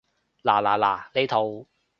嗱嗱嗱，呢套